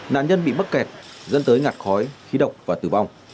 nạn nhân bị bắt kẹt dẫn tới ngạt khói khí độc và tử bong